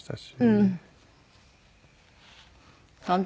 うん。